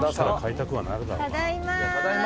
ただいま」